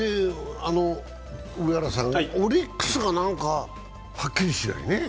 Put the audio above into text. オリックスがなんかはっきりしないね。